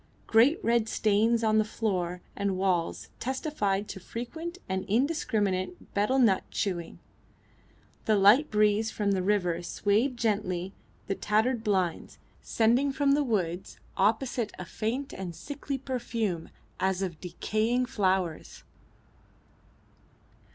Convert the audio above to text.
Great red stains on the floor and walls testified to frequent and indiscriminate betel nut chewing. The light breeze from the river swayed gently the tattered blinds, sending from the woods opposite a faint and sickly perfume as of decaying flowers.